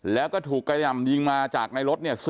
แล้วก็ถูกกระหย่ำยิงมาจากในรถเนี่ย